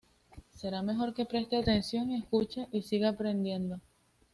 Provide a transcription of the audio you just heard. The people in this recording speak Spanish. Será mejor que preste atención, que escuche y siga aprendiendo.